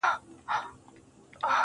يې په ملا باندې درانه لفظونه نه ايږدمه